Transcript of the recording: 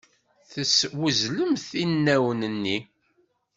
Teswezlemt inaw-nni.